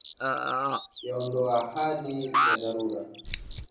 Yaondoa hali ya dharura.